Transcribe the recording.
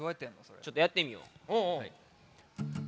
ちょっとやってみよう。